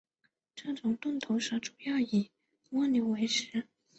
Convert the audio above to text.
这种钝头蛇主要以蜗牛为食。